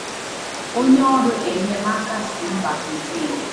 onye ọrụ enyem aka si mba Briten